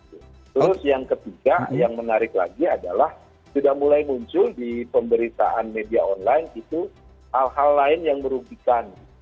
terus yang ketiga yang menarik lagi adalah sudah mulai muncul di pemberitaan media online itu hal hal lain yang merugikan